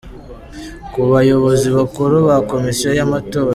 Ku Bayobozi bakuru ba Comission y’amatora,